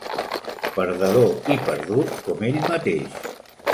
Perdedor i perdut, com ell mateix.